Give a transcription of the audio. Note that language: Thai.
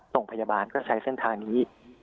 โรงพยาบาลก็ใช้เส้นทางนี้